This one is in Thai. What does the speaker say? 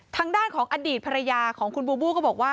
ทางด้านของอดีตภรรยาของคุณบูบูก็บอกว่า